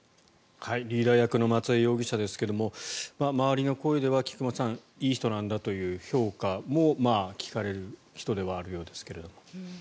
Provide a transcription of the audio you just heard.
リーダー役の松江容疑者ですが周りの声では、菊間さんいい人なんだという評価も聞かれる人ではあるようですが。